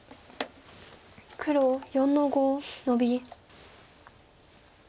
黒４の五ノビ。